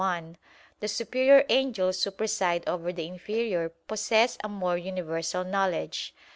1), the superior angels who preside over the inferior possess a more universal knowledge.